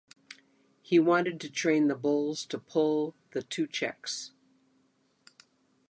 He wanted to train the bulls to pull the two checks.